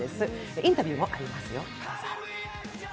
インタビューもありますよ、どうぞ。